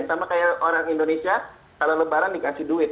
sama kayak orang indonesia kalau lebaran dikasih duit